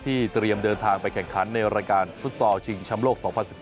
เตรียมเดินทางไปแข่งขันในรายการฟุตซอลชิงชำโลก๒๐๑๙